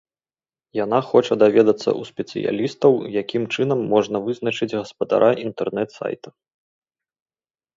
Яна хоча даведацца ў спецыялістаў, якім чынам можна вызначыць гаспадара інтэрнэт-сайта.